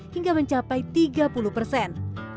hingga mencapai tiga puluh persen